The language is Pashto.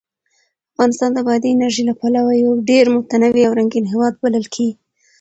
افغانستان د بادي انرژي له پلوه یو ډېر متنوع او رنګین هېواد بلل کېږي.